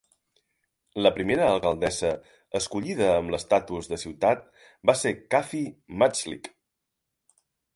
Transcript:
La primera alcaldessa escollida amb l'estatus de ciutat va ser Kathy Majdlik.